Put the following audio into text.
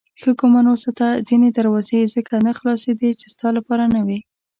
ښه ګمان وساته ځینې دروازې ځکه نه خلاصېدې چې ستا لپاره نه وې.